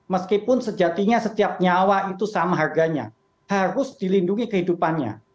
meskipun sejatinya setiap nyawa itu sama harganya harus dilindungi kehidupannya